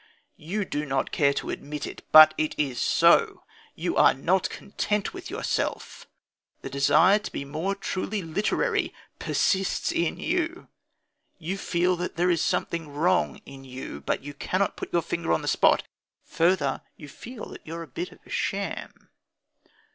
You do not care to admit it; but it is so. You are not content with yourself. The desire to be more truly literary persists in you. You feel that there is something wrong in you, but you cannot put your finger on the spot. Further, you feel that you are a bit of a sham.